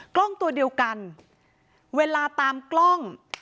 กล้องตัวเดียวกันเวลาตามกล้อง